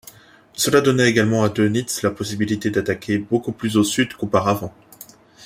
Cela donna également à Dönitz la possibilité d'attaquer beaucoup plus au sud qu'auparavant.